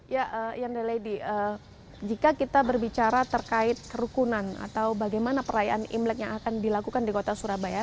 ya yanda lady jika kita berbicara terkait kerukunan atau bagaimana perayaan imlek yang akan dilakukan di kota surabaya